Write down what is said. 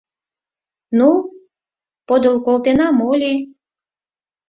Ну, подыл колтена моли?